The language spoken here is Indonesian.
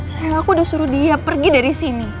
sayang aku udah suruh dia pergi dari sini